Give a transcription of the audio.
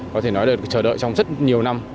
có thể nói được trở đợi trong rất nhiều năm